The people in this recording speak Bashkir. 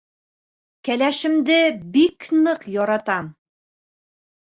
Кәләшемде бик ныҡ яратам.